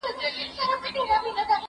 دا کتابتون له هغه ارام دی.